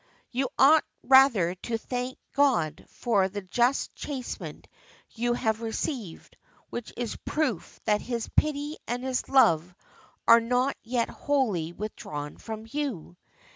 You ought rather to thank God for the just chastisement you have received, which is a proof that His pity and His love are not yet wholly withdrawn from you.